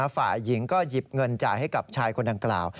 ฝ่ายหญิงก็หยิบเงินจ่ายให้กับชายคนดังกล่าว